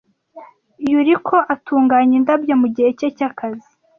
Yuriko atunganya indabyo mugihe cye cyakazi.